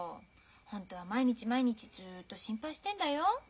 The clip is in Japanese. ホントは毎日毎日ずっと心配してんだよ。